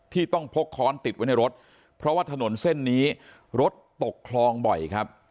ที่ต้องพกค้อนติดไว้ในรถเพราะว่าถนนเส้นนี้รถตกคลองบ่อยครับ